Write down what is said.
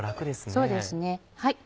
そうですね。